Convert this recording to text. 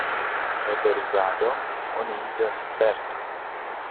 Kaj per uzado, oni iĝas sperta.